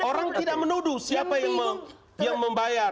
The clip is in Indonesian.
orang tidak menuduh siapa yang membayar